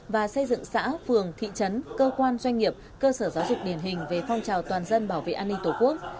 và xây dựng xã phường thị trấn cơ quan doanh nghiệp cơ sở giáo dục điển hình về phong trào toàn dân bảo vệ an ninh tổ quốc